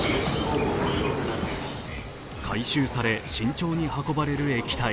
回収され、慎重に運ばれる液体。